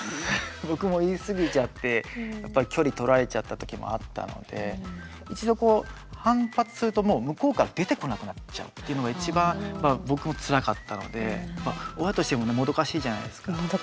僕も言い過ぎちゃって距離取られちゃった時もあったので一度こう反発するともう向こうから出てこなくなっちゃうっていうのが一番僕もつらかったので親としてももどかしいじゃないですか。